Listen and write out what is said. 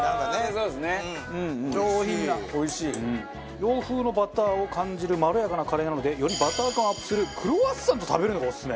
洋風のバターを感じるまろやかなカレーなのでよりバター感をアップするクロワッサンと食べるのがオススメ。